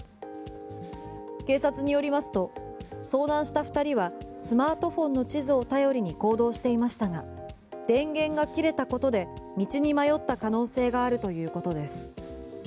警察によりますと遭難した２人はスマートフォンの地図を頼りに行動していましたが電源が切れたことで道に迷った可能性があるということです。